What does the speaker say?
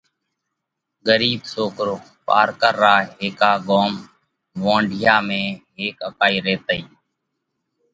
ڳرِيٻ سوڪرو: پارڪر را هيڪا ڳوم (وونڍِيا) ۾ هيڪ اڪائِي ريتئِي۔